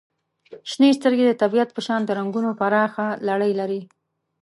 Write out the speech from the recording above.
• شنې سترګې د طبیعت په شان د رنګونو پراخه لړۍ لري.